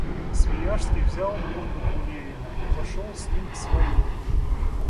Свияжский взял под-руку Левина и пошел с ним к своим.